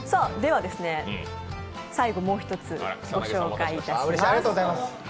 最後もう一つご紹介します。